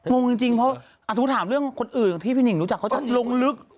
งงจริงเพราะสมมุติถามเรื่องคนอื่นที่พี่หนิ่งรู้จักเขาจะลงลึก